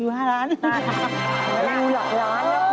วิวหลักล้านนะคุณ